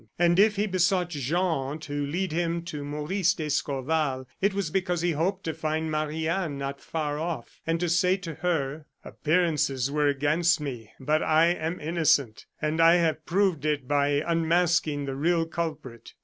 And if he besought Jean to lead him to Maurice d'Escorval, it was because he hoped to find Marie Anne not far off, and to say to her: "Appearances were against me, but I am innocent; and I have proved it by unmasking the real culprit."